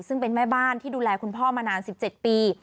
ซึ่งเป็นแม่บ้านที่ดูแลคุณพ่อมานาน๑๗ปี